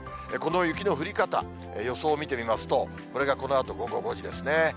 この雪の降り方、予想を見てみますと、これがこのあと午後５時ですね。